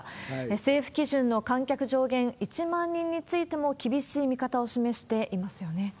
政府基準の観客上限１万人についても厳しい見方を示していますよ